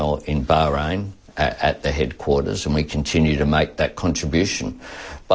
dengan sembilan belas rekomendasi penyelidikan akhirnya